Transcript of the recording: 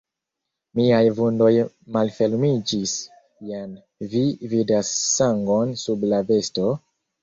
Miaj vundoj malfermiĝis: jen, vi vidas sangon sub la vesto?